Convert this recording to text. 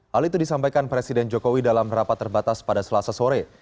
hal itu disampaikan presiden jokowi dalam rapat terbatas pada selasa sore